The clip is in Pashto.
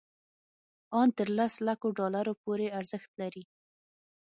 ان تر لس لکو ډالرو پورې ارزښت لري.